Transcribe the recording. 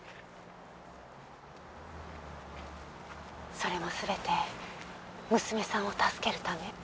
それもすべて娘さんを助けるため。